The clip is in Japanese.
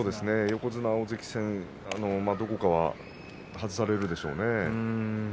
横綱、大関戦どこか外されるでしょうね。